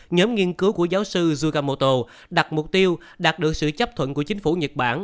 nhóm nghiên cứu của giáo sư zukamoto đặt mục tiêu đạt được sự chấp thuận của chính phủ nhật bản